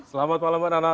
selamat malam mbak nana